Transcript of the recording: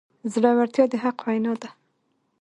زړورتیا د حق وینا ده.